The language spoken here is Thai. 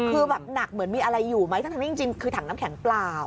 คือแบบหนักเหมือนมีอะไรอยู่ไหมทั้งนี้จริงคือถังน้ำแข็งเปล่า